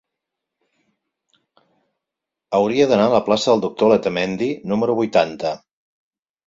Hauria d'anar a la plaça del Doctor Letamendi número vuitanta.